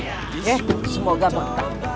eh semoga bertahun tahun